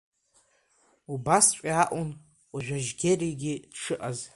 Убасҵәҟьа акәын уажә Ажьгьеригьы дшыҟаз.